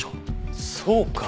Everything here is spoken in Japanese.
そうか。